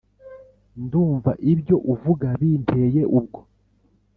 Ndumva ibyo uvuga binteye ubwo